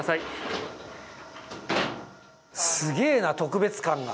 すげえな特別感が。